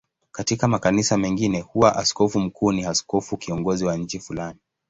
Katika makanisa mengine huwa askofu mkuu ni askofu kiongozi wa nchi fulani.